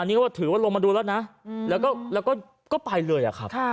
นี่ก็ถือว่าลงมาดูแล้วนะแล้วก็ไปเลยอะครับ